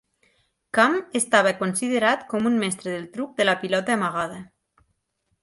Kamm estava considerat com un mestre del truc de la pilota amagada.